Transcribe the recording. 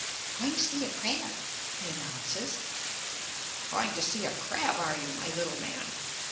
"Going to see a crab," he announces. "Going to see a crab, are you, my little man?"